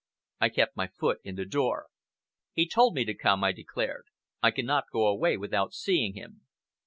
I kept my foot in the door. "He told me to come," I declared. "I cannot go away without seeing him."